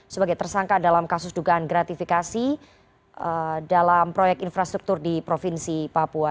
sebagai tersangka dalam kasus dugaan gratifikasi dalam proyek infrastruktur di provinsi papua